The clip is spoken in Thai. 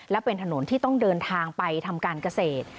และเป็นถนนที่ต้องเดินทางไปทำการเกษตร